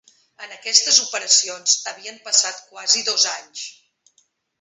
En aquestes operacions havien passat quasi dos anys.